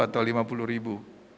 empat puluh atau lima puluh ribu